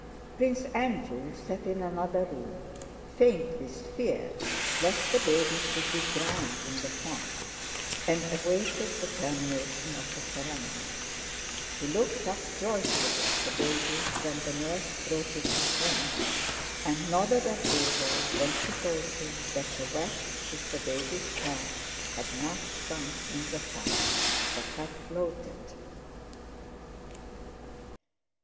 Prince Andrew sat in another room, faint with fear lest the baby should be drowned in the font, and awaited the termination of the ceremony. He looked up joyfully at the baby when the nurse brought it to him and nodded approval when she told him that the wax with the baby's hair had not sunk in the font but had floated.